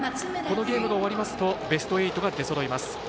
このゲームが終わりますとベスト８が出そろいます。